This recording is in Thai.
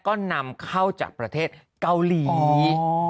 ก็นำเข้าจากประเทศเกาหลี